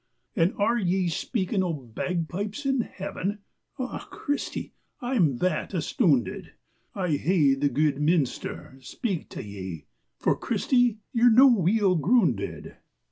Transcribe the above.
"And are ye speaking o' bagpipes in Heaven? Ah, Christy, I'm that astoonded I'll hae the guid meenister speak tae ye, For, Christy, ye're no weel groonded."